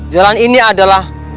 jalan ini adalah